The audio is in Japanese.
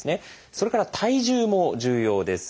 それから体重も重要です。